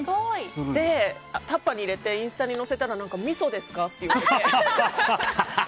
タッパーに入れてインスタに載せたらみそですか？って言われて。